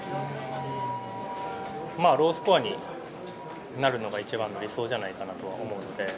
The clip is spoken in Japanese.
ロースコアになるのが一番の理想じゃないかと思うので。